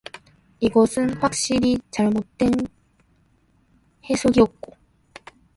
이것은 확실히 잘못된 해석이었고